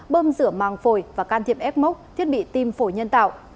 bơm rửa màng phổi và can thiệp ecmoc thiết bị tim phổi nhân tạo